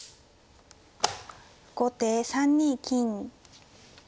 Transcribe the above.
後手３二金。